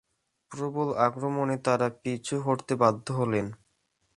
প্রবল আক্রমণে তারা পিছু হটতে বাধ্য হলেন।